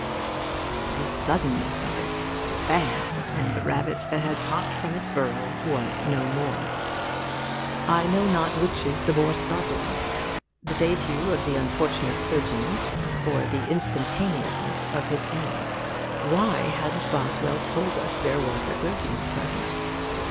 The suddenness of it! Bang! and the rabbit that had popped from its burrow was no more. I know not which is the more startling the de'but of the unfortunate clergyman, or the instantaneousness of his end. Why hadn't Boswell told us there was a clergyman present?